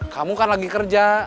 kamu kan lagi kerja